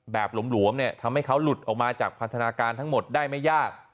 หลวมเนี่ยทำให้เขาหลุดออกมาจากพันธนาการทั้งหมดได้ไม่ยาก